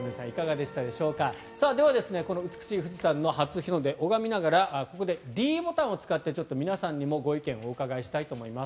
では、この美しい富士山の初日の出を拝みながらここでｄボタンを使って皆さんにもご意見をお聞きしたいと思います。